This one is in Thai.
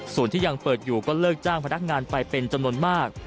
ส่วนที่ยังเปิดอยู่ก็เลิกจ้างพนักงานไปเป็นจำนวนมาก